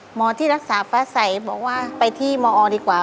หมอที่รักษาฟ้าใสบอกว่าไปที่มอดีกว่า